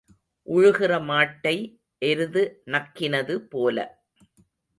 உழுகிற மாட்டை எருது நக்கினது போல.